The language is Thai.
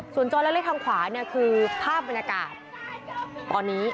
ส่วนจริงทางขวาคือภาพบรรยากาศตอนนี้